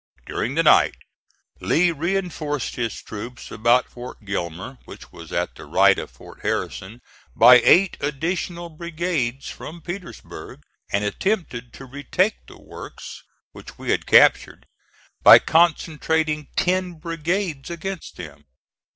During the night Lee reinforced his troops about Fort Gilmer, which was at the right of Fort Harrison, by eight additional brigades from Petersburg, and attempted to retake the works which we had captured by concentrating ten brigades against them.